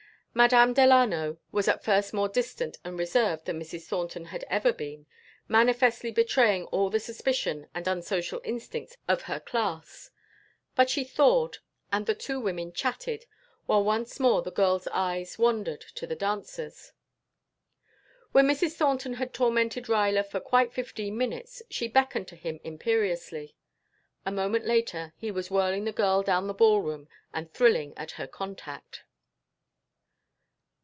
Madame Delano was at first more distant and reserved than Mrs. Thornton had ever been, manifestly betraying all the suspicion and unsocial instincts of her class; but she thawed, and the two women chatted, while once more the girl's eyes wandered to the dancers. When Mrs. Thornton had tormented Ruyler for quite fifteen minutes she beckoned to him imperiously. A moment later he was whirling the girl down the ball room and thrilling at her contact.